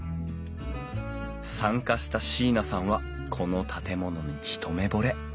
参加した椎名さんはこの建物に一目ぼれ。